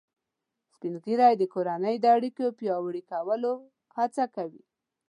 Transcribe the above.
سپین ږیری د کورنۍ د اړیکو پیاوړي کولو هڅه کوي